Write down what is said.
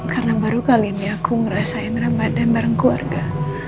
karena baru kali ini aku ngerasain ramadan bareng keluarga